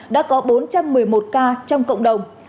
đã có bốn trăm một mươi một ca trong cộng đồng